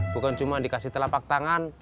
bukan cuma dikasih telapak tangan